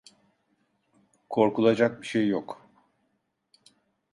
Korkulacak bir şey yok.